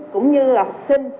cũng như là học sinh